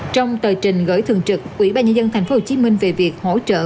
trong tờ trình gửi thường trực quỹ ban nhân dân tp hcm về việc hỗ trợ